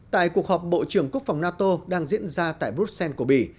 tại cuộc họp bộ trưởng quốc phòng nato đang diễn ra tại brussels của mỹ